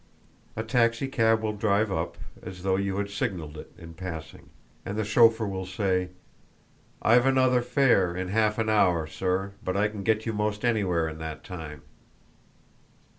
A taxicab will drive up, as though you had signalled it in passing, and the chauffeur will say: 'I've another fare, in half an hour, sir, but I can get you most anywhere in that time.'